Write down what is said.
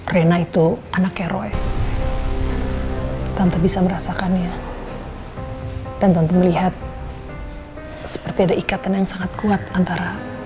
seperti ada ikatan yang sangat kuat antara